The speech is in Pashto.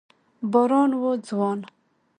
باران و ځوان